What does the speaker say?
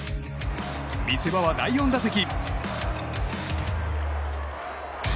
見せ場は第４打席。